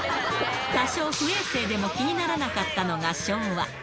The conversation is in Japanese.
多少不衛生でも気にならなかったのが昭和。